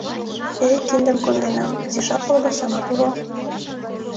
Теве киндым конденам, изишак колбасамат уло.